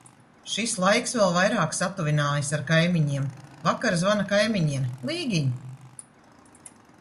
Šis laiks vēl vairāk satuvinājis ar kaimiņiem. Vakar zvana kaimiņiene: Līgiņ!